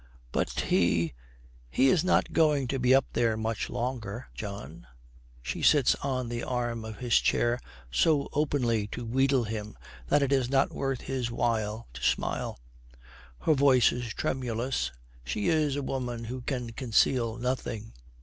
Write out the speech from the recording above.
'But he he is not going to be up there much longer, John.' She sits on the arm of his chair, so openly to wheedle him that it is not worth his while to smile. Her voice is tremulous; she is a woman who can conceal nothing.